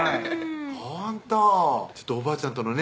ほんとおばあちゃんとのね